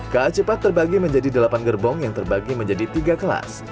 ka cepat terbagi menjadi delapan gerbong yang terbagi menjadi tiga kelas